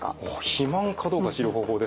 肥満かどうか知る方法ですか？